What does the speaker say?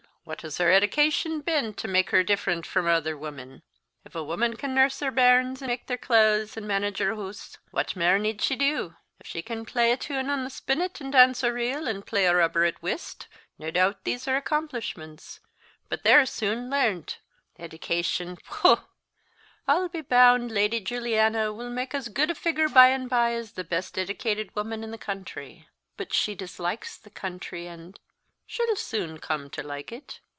what has her edication been, to mak' her different frae other women? If a woman can nurse her bairns, mak' their claes, and manage her hoose, what mair need she do? If she can playa tune on the spinnet, and dance a reel, and play a rubber at whist nae doot these are accomplishments, but they're soon learnt. Edication! pooh! I'll be bound Leddy Jully Anie wull mak' as gude a figure by and by as the best edicated woman in the country." "But she dislikes the country, and " "She'll soon come to like it.